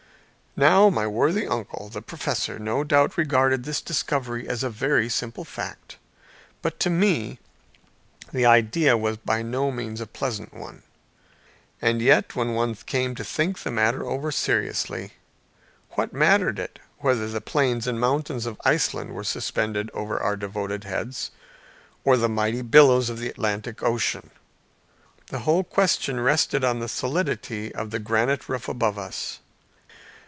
Now my worthy uncle, the Professor, no doubt regarded this discovery as a very simple fact, but to me the idea was by no means a pleasant one. And yet when one came to think the matter over seriously, what mattered it whether the plains and mountains of Iceland were suspended over our devoted heads, or the mighty billows of the Atlantic Ocean? The whole question rested on the solidity of the granite roof above us.